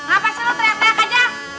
apa sih lo teriak teriak aja